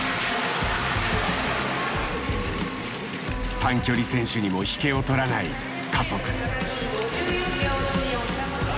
短距離選手にも引けを取らない加速。